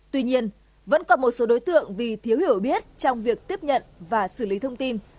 tuy nhiên vẫn còn một số đối tượng vì thiếu hiểu biết trong việc tiếp nhận và xử lý thông tin